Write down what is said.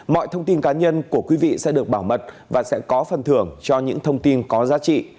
mọi thông tin cá nhân của quý vị sẽ được bảo mật và sẽ có phần thưởng cho những thông tin có giá trị